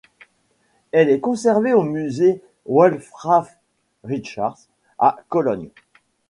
Elle est conservée au Musée Wallraf-Richartz à Cologne.